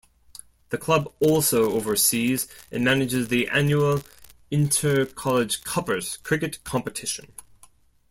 The club also oversees and manages the annual inter-college 'Cuppers' cricket competition.